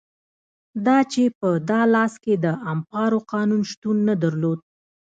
دا چې په دالاس کې د امپارو قانون شتون نه درلود.